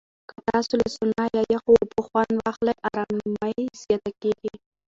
که تاسو له سونا یا یخو اوبو خوند واخلئ، آرامۍ زیاته کېږي.